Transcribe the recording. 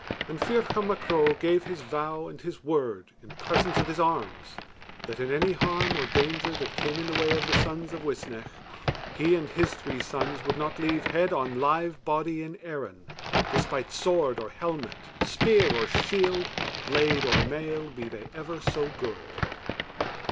And Ferchar Mac Ro gave his vow and his word in presence of his arms that, in any harm or danger that came in the way of the sons of Uisnech, he and his three sons would not leave head on live body in Erin, despite sword or helmet, spear or shield, blade or mail, be they ever so good.